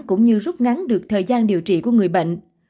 cũng như rút ngắn được thời gian điều trị của người bệnh